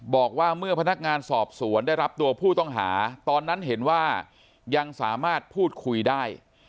บอกว่าเมื่อพนักงานสอบสวนได้รับตัวผู้ต้องหาตอนนั้นเห็นว่ายังสามารถพูดคุยได้